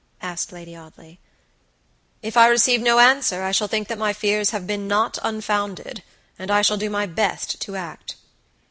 asked Lady Audley. "If I receive no answer I shall think that my fears have been not unfounded, and I shall do my best to act."